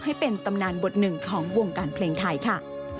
ให้เป็นตำนานบทหนึ่งของวงการเพลงไทยค่ะ